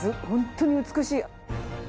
本当に美しい！